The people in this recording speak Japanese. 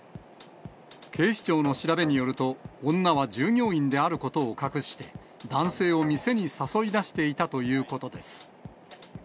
警視庁の調べによると、女は従業員であることを隠して、男性を店に誘い出していたということです。